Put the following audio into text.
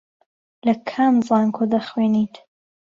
لە کام زانکۆ دەخوێنیت؟